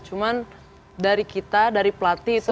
cuman dari kita dari pelatih